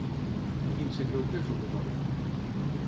I quin es creu que és el total?